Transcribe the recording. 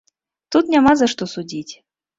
Тут няма за што судзіць.